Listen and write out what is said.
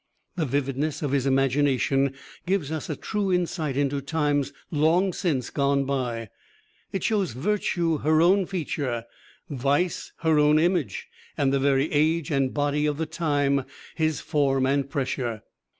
The vividness of his imagination gives us a true insight into times long since gone by; it shows virtue her own feature, vice her own image, and the very age and body of the time his form and pressure.